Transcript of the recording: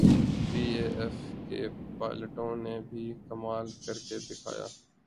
P A F کے پائلٹوں نے بھی کمال کرکے دکھایا۔